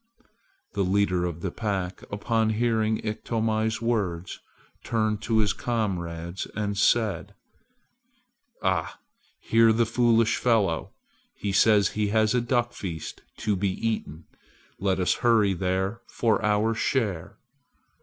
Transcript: The leader of the pack upon hearing Iktomi's words turned to his comrades and said: "Ah! hear the foolish fellow! He says he has a duck feast to be eaten! Let us hurry there for our share!"